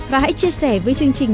và hãy chia sẻ với chương trình